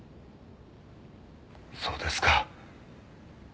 そうですか。